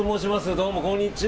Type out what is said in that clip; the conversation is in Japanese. どうもこんにちは。